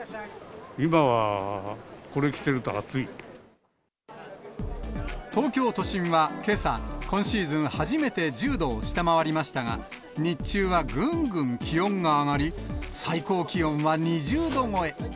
今は、東京都心はけさ、今シーズン初めて１０度を下回りましたが、日中はぐんぐん気温が上がり、最高気温は２０度超え。